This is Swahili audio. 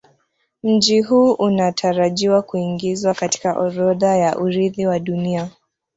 Mji huu unatarajiwa kuingizwa katika orodha ya Urithi wa Dunia